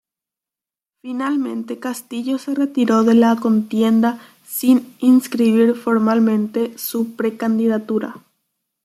Finalmente Castillo se retiró de la contienda sin inscribir formalmente su precandidatura.